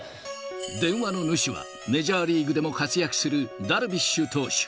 電話の主はメジャーリーグでも活躍するダルビッシュ投手。